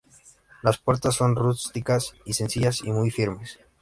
Las puertas son rústicas y sencillas y muy firmes.